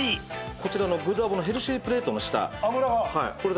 こちらのグルラボのヘルシープレートの下。